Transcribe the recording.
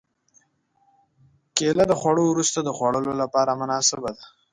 کېله د خوړو وروسته د خوړلو لپاره مناسبه ده.